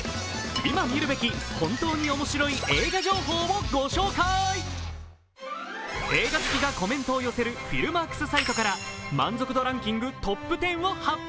映画好きがコメントを寄せるフィルマークスサイトから満足度ランキングトップ１０を発表。